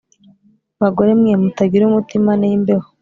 bagore mwe mutagira umutima nimbeho